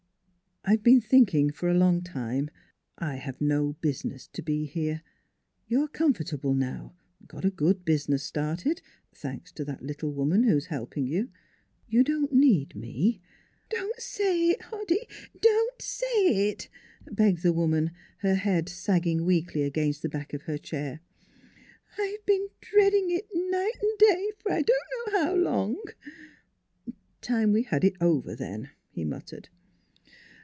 " I've been thinking for a long time I have no business to be here. You're comfortable now; got a good business started thanks to that little woman who's helping you. You don't need me "" Don't say it, Hoddy: don't say it! " begged the woman, her head sagging weakly against the back of her chair. " I've been dreading it, night an' day, for I don't know how long." " Time we had it over, then," he muttered.